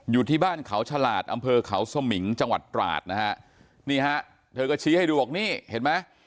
อยู่ที่บ้านเขาฉลาดอำเภอเขาสมิงจังหวัดตราดนะฮะนี่ฮะเธอก็ชี้ให้ดูบอกนี่เห็นไหม